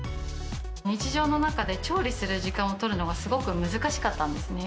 日常の中で調理する時間を取るのがすごく難しかったんですね。